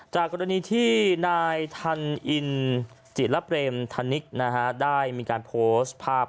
จากกรณีที่นายทันอินจิตละเปรมทันนิกได้มีการโพสต์ภาพ